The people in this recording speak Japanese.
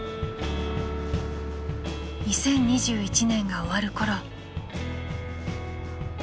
［２０２１年が終わるころ］